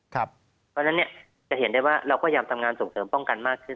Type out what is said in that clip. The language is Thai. เพราะฉะนั้นจะเห็นได้ว่าเราพยายามทำงานส่งเสริมป้องกันมากขึ้น